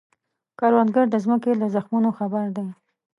کروندګر د ځمکې له زخمونو خبر دی